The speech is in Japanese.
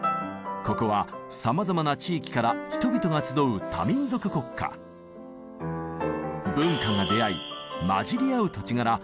ここはさまざまな地域から人々が集う文化が出会い混じり合う土地柄